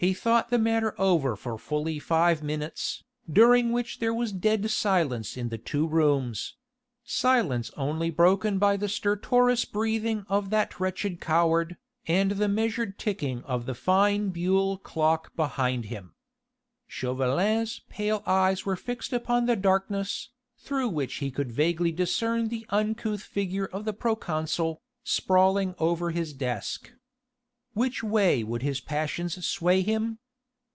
He thought the matter over for fully five minutes, during which there was dead silence in the two rooms silence only broken by the stertorous breathing of that wretched coward, and the measured ticking of the fine Buhl clock behind him. Chauvelin's pale eyes were fixed upon the darkness, through which he could vaguely discern the uncouth figure of the proconsul, sprawling over his desk. Which way would his passions sway him?